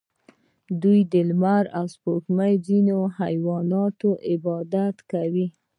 دوی د لمر او سپوږمۍ او ځینو حیواناتو عبادت کاوه